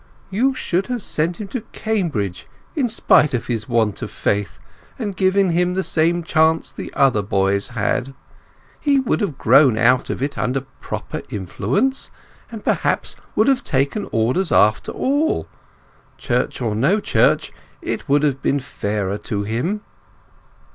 You should have sent him to Cambridge in spite of his want of faith and given him the same chance as the other boys had. He would have grown out of it under proper influence, and perhaps would have taken Orders after all. Church or no Church, it would have been fairer to him."